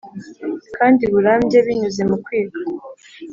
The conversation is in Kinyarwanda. kandi burambye binyuze mu kwiga